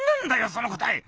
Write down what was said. その答え！